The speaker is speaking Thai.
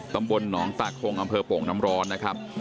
ตำบลหนองตาคงอำเภอโป่งน้ำร้อนนะครับ